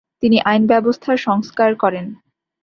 তিনি আইন ব্যবস্থার সংস্কার করেন।